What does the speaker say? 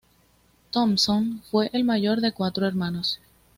Thompson fue el mayor de cuatro hermanos.